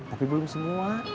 tapi belum semua